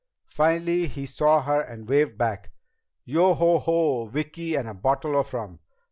Finally he saw her and waved back. "Yo ho ho, Vicki, and a bottle of rum!